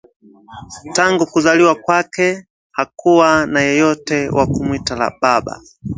Tangu kuzaliwa kwake, hakuwa na yeyote wa kumwita baba